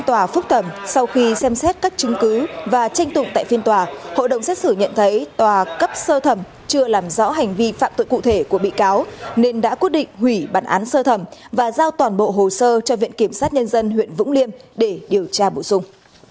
tòa phúc thẩm sau khi xem xét các chứng cứ và tranh tụng tại phiên tòa hội đồng xét xử nhận thấy tòa cấp sơ thẩm chưa làm rõ hành vi phạm tội cụ thể của bị cáo nên đã quyết định hủy bản án sơ thẩm và giao toàn bộ hồ sơ cho viện kiểm sát nhân dân huyện vũng liêm để điều tra bổ sung